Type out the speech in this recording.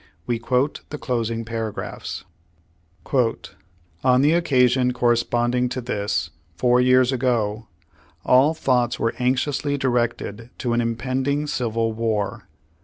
We quote the closing para graphs : "On the occasion correspondincr to this, four years ago, all thoughts were anxiously directed to an impending civil war.